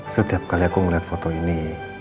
setiap kali aku melihat foto ini